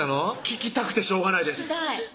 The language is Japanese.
聴きたくてしょうがないです